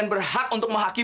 terima kasih pak